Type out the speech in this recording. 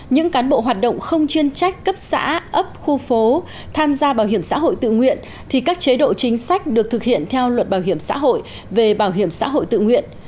những cán bộ hoạt động không chuyên trách cấp xã ấp khu phố tham gia bảo hiểm xã hội tự nguyện thì các chế độ chính sách được thực hiện theo luật bảo hiểm xã hội về bảo hiểm xã hội tự nguyện